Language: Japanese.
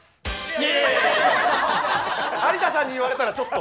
有田さんに言われたらちょっと。